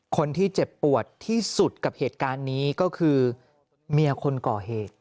คนที่เจ็บปวดที่สุดกับเหตุการณ์นี้ก็คือเมียคนก่อเหตุ